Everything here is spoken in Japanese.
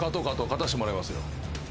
勝たしてもらいますよ。